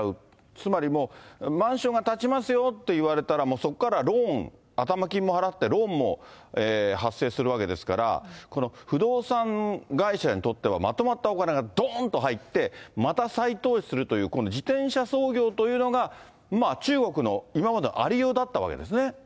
つまりもう、マンションが建ちますよっていわれたら、そこからローン、頭金も払って、ローンも発生するわけですから、不動産会社にとってはまとまったお金がどーんと入って、また再投資するという、自転車操業というのが、まあ、中国の今までのありようだったわけですね。